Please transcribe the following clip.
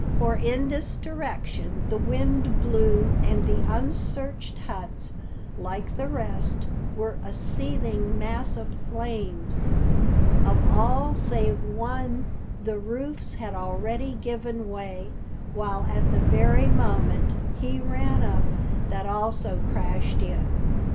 For in this direction the wind blew, and the unsearched huts, like the rest, were a seething mass of flames. Of all save one the roofs had already given way, while at the very moment he ran up that also crashed in.